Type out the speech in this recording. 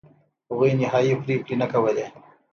هغوی نهایي پرېکړې نه کولې.